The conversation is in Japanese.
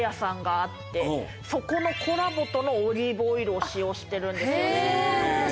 そこのコラボとのオリーブオイルを使用してるんですよね。